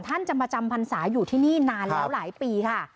ท่านจะมาจำพรรษาอยู่ที่นี่นานแล้วหลายปีค่ะ